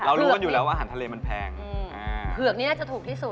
รู้กันอยู่แล้วว่าอาหารทะเลมันแพงเผือกนี้น่าจะถูกที่สุด